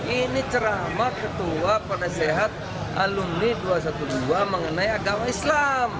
ini ceramah ketua penasehat alumni dua ratus dua belas mengenai agama islam